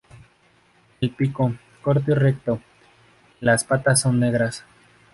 El pico, corto y recto, y las patas son negras.